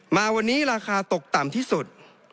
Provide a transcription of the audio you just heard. มาวันนี้ราคาตกต่ำที่สุด